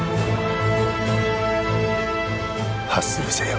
「ハッスルせよ」。